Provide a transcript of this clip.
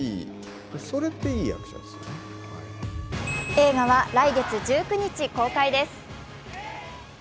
映画は来月１９日公開です。